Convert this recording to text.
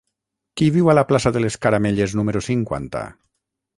Qui viu a la plaça de les Caramelles número cinquanta?